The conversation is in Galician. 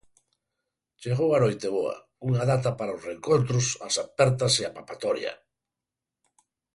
Chegou a Noiteboa, unha data para os reencontros, as apertas e a papatoria.